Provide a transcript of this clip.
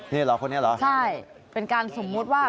นี่เหรอคนนี้เหรอใช่เป็นการสมมุติว่า